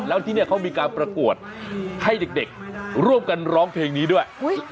แล้วที่นี่เขามีการประกวดให้เด็กร่วมกันร้องเพลงนี้ด้วย